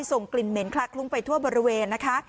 ส่งกลิ่นเหม็นคละคลุ้งไปทั่วบริเวณนะคะ